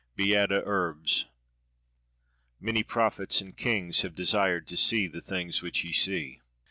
BEATA URBS "Many prophets and kings have desired to see the things which ye see."